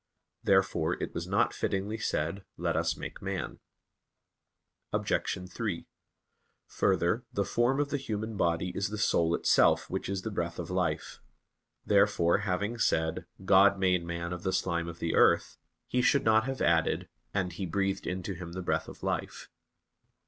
Therefore it was not fittingly said, "Let us make man." Obj. 3: Further, the form of the human body is the soul itself which is the breath of life. Therefore, having said, "God made man of the slime of the earth," he should not have added: "And He breathed into him the breath of life."